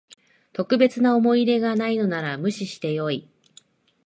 特別な思い入れがないのなら無視してよい